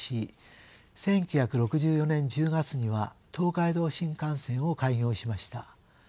１９６４年１０月には東海道新幹線を開業しました。